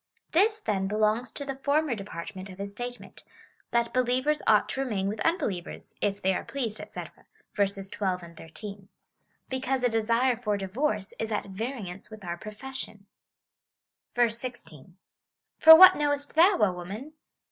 This, then, belongs to the former dej^art ment of his statement — that believers ought to remain with unbelievers, if they are j^l&cLsed, &c., (verses 12 and 18,) be cause a desire for divorce is at variance with our profession. 16. For what knowest thou, woman